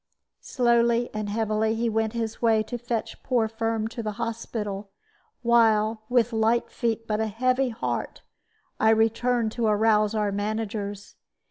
Slowly and heavily he went his way to fetch poor Firm to the hospital; while, with light feet but a heavy heart, I returned to arouse our managers.